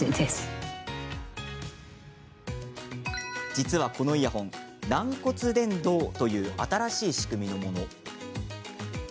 実はこのイヤホン、軟骨伝導という新しい仕組みのもの。